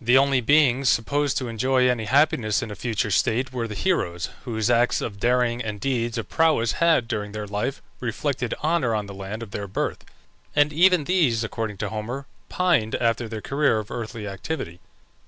The only beings supposed to enjoy any happiness in a future state were the heroes, whose acts of daring and deeds of prowess had, during their life, reflected honour on the land of their birth; and even these, according to Homer, pined after their career of earthly activity.